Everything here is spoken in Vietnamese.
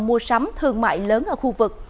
mua sắm thương mại lớn ở khu vực